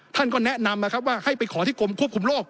ท่านก็แนะนำนะครับว่าให้ไปขอที่กรมควบคุมโรค